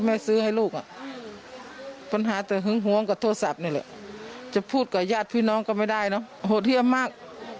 ่มั้ยนะยไม่อยากเห็นหน้าแค่ชื่อนึกก็ไม่อยากเรียกหรอก